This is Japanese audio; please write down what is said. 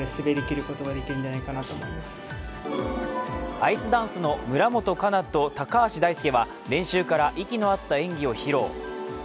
アイスダンスの村元哉中と高橋大輔は練習から息の合った演技を披露。